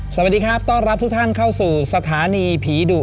สวัสดีครับต้อนรับทุกท่านเข้าสู่สถานีผีดุ